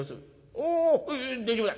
おお大丈夫だ。